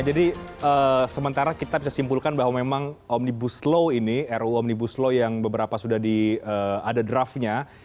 jadi sementara kita bisa simpulkan bahwa memang omnibus law ini ruu omnibus law yang beberapa sudah di ada draftnya